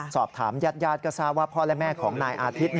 สอบถามยาดยาดกระซาว่าพ่อและแม่ของนายอาธิต